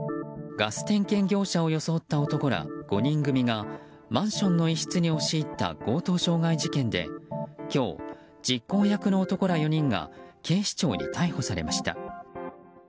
ガス点検業者を装った男ら５人組がマンションの一室に押し入った強盗傷害事件で今日、実行役の男ら４人が警視庁に逮捕されました。